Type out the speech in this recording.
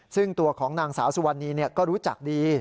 ซึ่งตัวของนางสาวสุวรรณีก็รู้จักดี